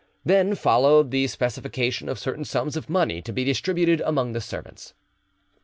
Then followed the specification of certain sums of money to be distributed among the servants.